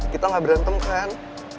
kita gak berantem kan